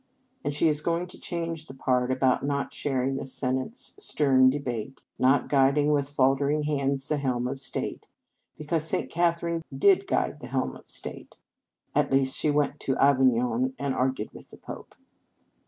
And she is going to change the part about not sharing the Senate s stern debate, nor guiding with faltering hand the helm of state, because St. Catherine did guide the helm of state. At least, she went to Avignon, and argued with the Pope."